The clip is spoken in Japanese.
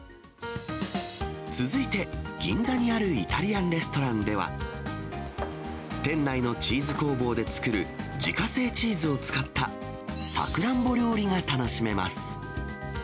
続いて、銀座にあるイタリアンレストランでは、店内のチーズ工房で作る自家製チーズを使ったさくらんぼ料理が楽しめます。